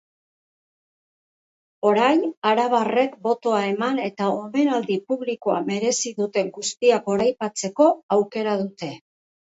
Orain arabarrek botoa eman eta omenaldi publikoa merezi duten guztiak goraipatzeko aukera dute.